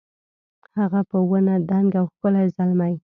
هغه په ونه دنګ او ښکلی زلمی